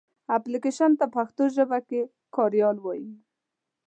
اپلکېشن ته پښتو ژبه کې کاریال وایې.